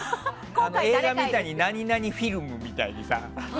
映画みたいになになにフィルムみたいにさ。